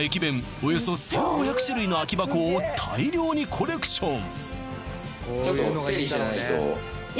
およそ１５００種類の空箱を大量にコレクションいや